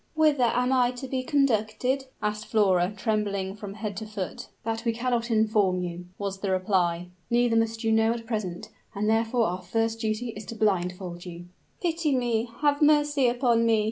"Whither am I to be conducted?" asked Flora, trembling from head to foot. "That we cannot inform you," was the reply. "Neither must you know at present; and therefore our first duty is to blindfold you." "Pity me have mercy upon me!"